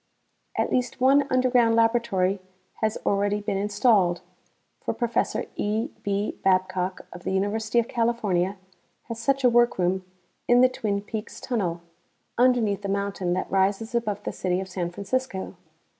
At least one underground laboratory has already been installed, for Prof. E. B. Babcock of the University of California has such a workroom in the Twin Peaks Tunnel, underneath the mountain that rises above the city of San Francisco.